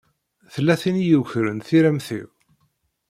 Tella tin i yukren tiremt-iw.